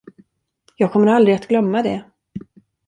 Jag kommer aldrig att glömma det.